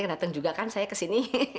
yang datang juga kan saya kesini